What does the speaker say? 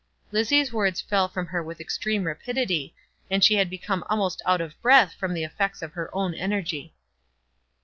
Lizzie's words fell from her with extreme rapidity, and she had become almost out of breath from the effects of her own energy.